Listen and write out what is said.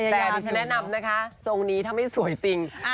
แต่ดิฉันแนะนำนะคะทรงนี้ถ้าไม่สวยจริง